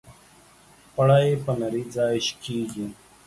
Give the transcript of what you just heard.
پړى پر نري ځاى شکېږي.